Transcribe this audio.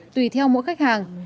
tùy theo mỗi khách hàng